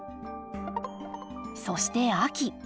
そして秋。